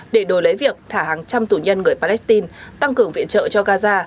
để đổi lấy việc thả hàng trăm tù nhân người palestine tăng cường viện trợ cho gaza